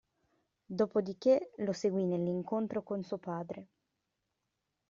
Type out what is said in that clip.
Dopodiché, lo seguì nell'incontro con suo padre.